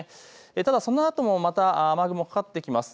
ただそのあとも雨雲かかってきます。